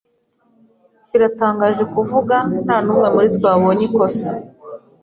Biratangaje kuvuga, ntanumwe muri twe wabonye ikosa.